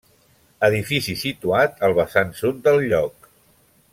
Edifici situat al vessant sud del lloc.